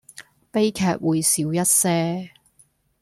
悲劇會少一些